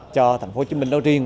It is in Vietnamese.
cho thành phố hồ chí minh đó riêng